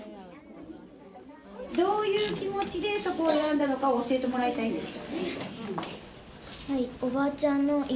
どういう気持ちでそこを選んだのかを教えてもらいたいんです。